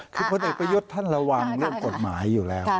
คือพลเอกประยุทธ์ท่านระวังเรื่องกฎหมายอยู่แล้ว